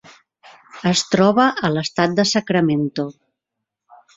Es troba a l'estat de Sacramento.